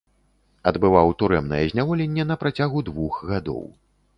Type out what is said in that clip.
Адбываў турэмнае зняволенне на працягу двух гадоў.